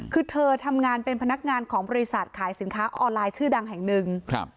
คือเธอทำงานเป็นพนักงานของบริษัทขายสินค้าออนไลน์ชื่อดังแห่งหนึ่งครับ